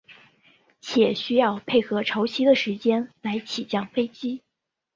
且需要配合潮汐的时间来起降飞机。